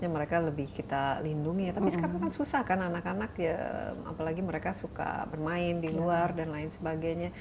mereka lebih kita lindungi ya tapi sekarang kan susah kan anak anak ya apalagi mereka suka bermain di luar dan lain sebagainya